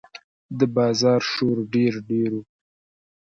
د بازار شور ډېر ډېر و.